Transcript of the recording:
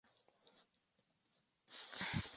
Esa temporada no podía volver a entrenar, por reglamento.